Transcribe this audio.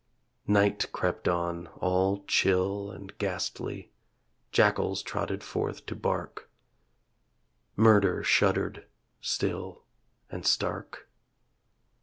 Night crept on all chill and ghastly, Jackals trotted forth to bark, (Murder shuddered, still and stark